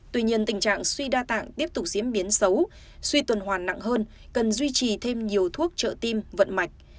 tuy nhiên tình trạng suy đa tạng tiếp tục diễn biến xấu suy tuần hoàn nặng hơn cần duy trì thêm nhiều thuốc trợ tim vận mạch